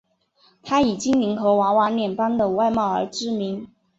她以精灵和娃娃脸般的外貌而知名。